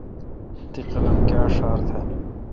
تی قلم کیا ڄھار تھال؟